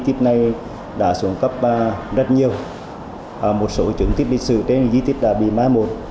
di tích này đã xuống cấp rất nhiều một số trưng tích lịch sử trên di tích đã bị mái một